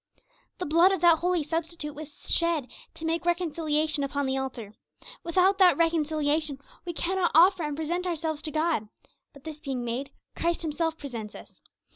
The blood of that Holy Substitute was shed 'to make reconciliation upon the altar.' Without that reconciliation we cannot offer and present ourselves to God; but this being made, Christ Himself presents us.